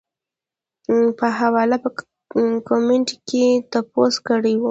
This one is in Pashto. پۀ حواله پۀ کمنټ کښې تپوس کړے وۀ -